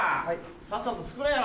さっさと作れよ！